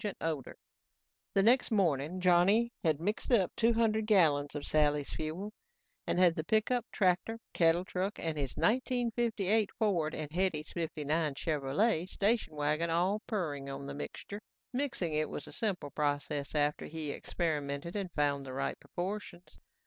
The next morning, Johnny had mixed up two hundred gallons of Sally's Fuel and had the pickup, tractor, cattle truck and his 1958 Ford and Hetty's '59 Chevrolet station wagon all purring on the mixture. Mixing it was a simple process after he experimented and found the right proportions.